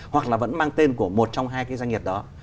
hoặc là vẫn mang tên của một trong hai cái doanh nghiệp đó